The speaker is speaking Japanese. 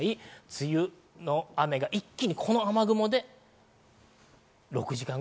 梅雨の雨が一気に、この雨雲で降った。